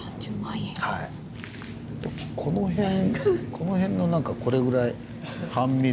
この辺のこれぐらい半身で。